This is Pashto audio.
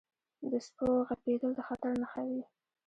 • د سپو غپېدل د خطر نښه وي.